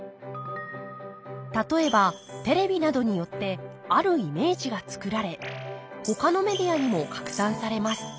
例えばテレビなどによってあるイメージが作られほかのメディアにも拡散されます。